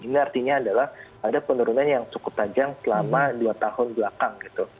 ini artinya adalah ada penurunan yang cukup tajam selama dua tahun belakang gitu